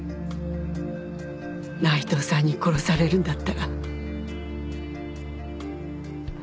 内藤さんに殺されるんだったら本望よ。